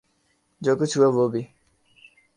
جو کچھ ہوا، وہ بھی